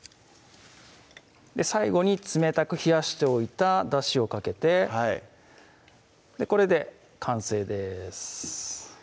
最後に冷たく冷やしておいただしをかけてこれで完成です